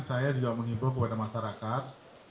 saya juga mengimbau kepada masyarakat